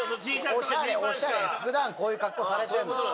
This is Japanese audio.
普段こういう格好されてんの。